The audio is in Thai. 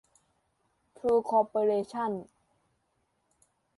ทรู คอร์ปอเรชั่น